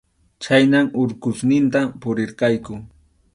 Chhaynam Urqusninta puririrqayku.